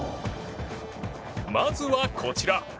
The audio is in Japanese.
まずはこちら。